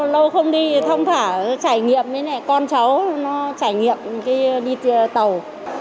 lâu không đi thì thông thả trải nghiệm con cháu trải nghiệm đi tàu